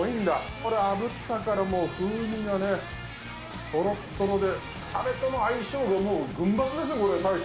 これ、あぶったからもう、風味がね、とろっとろで、たれとの相性がもうグンバツですね、大将。